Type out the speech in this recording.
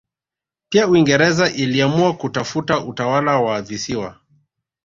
Pia Uingereza iliamua kutafuta utawala wa visiwa